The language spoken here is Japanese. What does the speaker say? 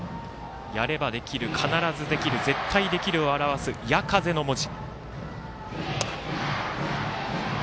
やればできる、必ずできる絶対できるを表す「や・か・ぜ」の文字。